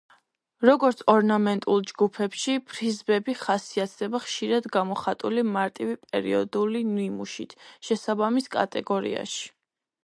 როგორც ორნამენტულ ჯგუფებში, ფრიზები ხასიათდება ხშირად გამოხატული მარტივი პერიოდული ნიმუშით, შესაბამის კატეგორიაში.